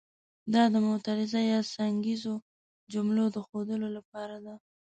دا د معترضه یا څنګیزو جملو د ښودلو لپاره ده.